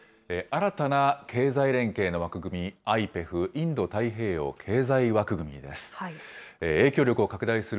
新たな経済連携の枠組み、ＩＰＥＦ・インド太平洋経済枠組みです。